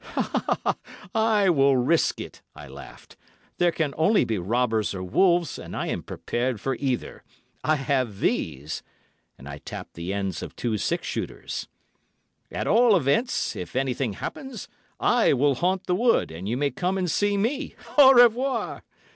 "'I will risk it,' I laughed; 'there can only be robbers or wolves, and I am prepared for either. I have these!' And I tapped the ends of two six shooters. 'At all events, if anything happens, I will haunt the wood, and you may come and see me. Au revoir!